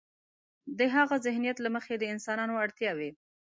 د هاغه ذهنیت له مخې د انسانانو اړتیاوې.